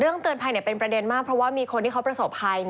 เตือนภัยเป็นประเด็นมากเพราะว่ามีคนที่เขาประสบภัย